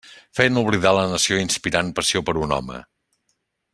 Feien oblidar la nació inspirant passió per un home.